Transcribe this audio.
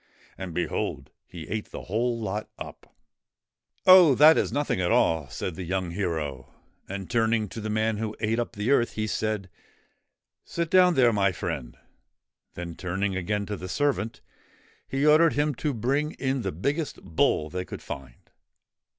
And behold, he ate the whole lot up. 27 THE QUEEN OF THE MISSISSIPPI ' Oh ! that is nothing at all,' said the young hero. And, turning to the man who ate up the earth, he said :' Sit down there, my friend.' Then turning again to the servant, he ordered him to bring in the biggest bull they could find.